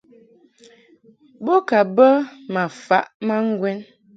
Bo ka bə ma faʼ ma ŋgwɛn.